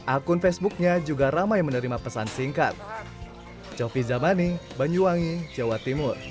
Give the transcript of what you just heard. akun facebooknya juga ramai menerima pesan singkat